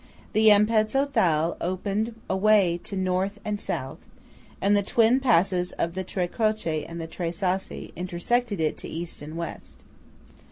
The Ampezzo Thal opened away to North and South, and the twin passes of the Tre Croce and Tre Sassi intersected it to East and West.